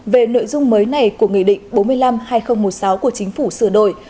về nội dung mới này của nghị định bốn mươi năm hai nghìn một mươi sáu của chính phủ sửa đổi